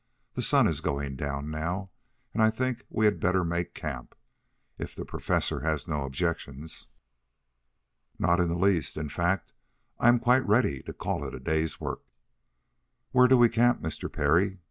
"The sun is going down now and I think we had better make camp, if the Professor has no objections." "Not in the least. In fact, I am quite ready to call it a day's work." "Where do we camp, Mr. Parry?"